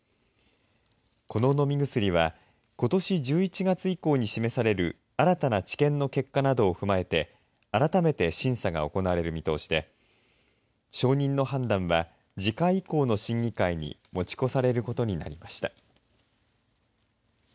この飲み薬はことし１１月以降に示される新たな治験の結果などを踏まえて改めて審査が行われる見通しで承認の判断は次回以降の審議会に持ち越されることになりました。